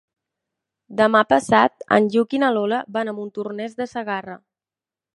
Demà passat en Lluc i na Lola van a Montornès de Segarra.